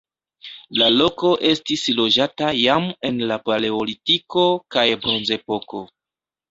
La loko estis loĝata jam en la paleolitiko kaj bronzepoko.